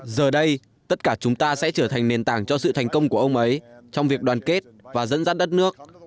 giờ đây tất cả chúng ta sẽ trở thành nền tảng cho sự thành công của ông ấy trong việc đoàn kết và dẫn dắt đất nước